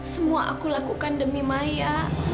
semua aku lakukan demi maya